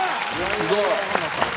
すごい。